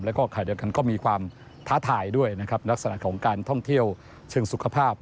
แล้วก็ขณะเดียวกันก็มีความท้าทายด้วยนะครับลักษณะของการท่องเที่ยวเชิงสุขภาพ